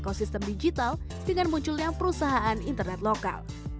ekosistem digital dengan munculnya perusahaan internet lokal